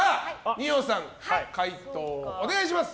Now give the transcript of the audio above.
二葉さん、解答をお願いします。